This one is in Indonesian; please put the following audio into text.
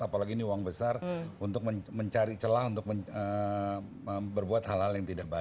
apalagi ini uang besar untuk mencari celah untuk berbuat hal hal yang tidak baik